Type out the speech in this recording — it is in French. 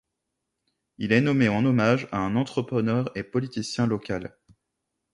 Il est nommé en hommage à un entrepreneur et politicien local.